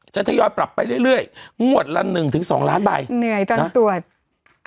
จะทยอยปรับไปเรื่อยเรื่อยงวดละ๑๒ล้านใบเหนื่อยตอนตรวจ